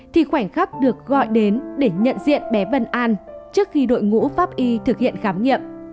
thì khoảnh khắc được gọi đến để nhận diện bé vân an trước khi đội ngũ pháp y thực hiện khám nghiệm